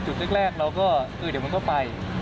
จุดแรกเราก็เออเดี๋ยวมันก็ไป